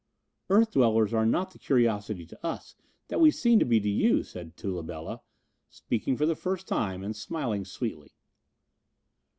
"Earth dwellers are not the curiosity to us that we seem to be to you," said Tula Bela, speaking for the first time and smiling sweetly.